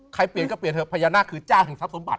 ใครเปลี่ยนก็เปลี่ยนเถอะพญานาคือจ้างของทัพสมบัติ